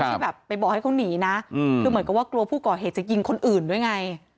ที่แบบไปบอกให้เขาหนีนะคือเหมือนกับว่ากลัวผู้ก่อเหตุจะยิงคนอื่นด้วยไง